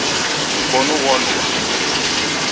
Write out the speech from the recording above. Mkonu ghwalua